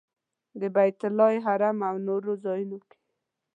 د بیت الله حرم او نورو ځایونو کې.